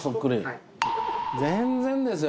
はい全然ですよ